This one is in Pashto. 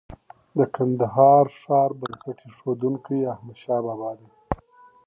د کندهار ښار بنسټ ايښونکی احمد شاه بابا دی